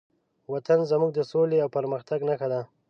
وطن زموږ د سولې او پرمختګ نښه ده.